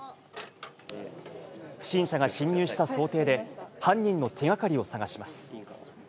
不審者が侵入した想定で、犯人の手掛かりを探します。